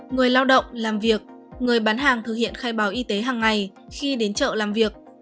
người lao động làm việc người bán hàng thực hiện khai báo y tế hàng ngày khi đến chợ làm việc